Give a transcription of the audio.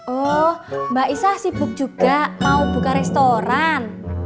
oh mbak isa sibuk juga mau buka restoran